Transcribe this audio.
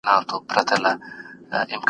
د بشري حقونو په برخه کي پوهاوی خپریږي.